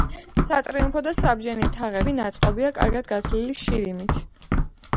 სატრიუმფო და საბჯენი თაღები ნაწყობია კარგად გათლილი შირიმით.